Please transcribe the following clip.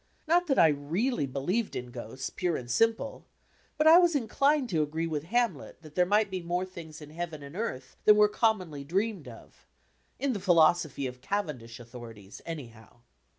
Not that I really believed in ghosts, pure and simple; but I was inclined to agree with Hamlet that there might be more things in heaven and earth than were commonly dreamed of in the philosophy of Cavendish authorities, anyhow.